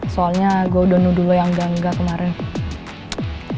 soalnya gue udah nuduh lo yang gangga kemaren